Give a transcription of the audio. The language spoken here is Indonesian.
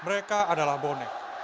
mereka adalah bonek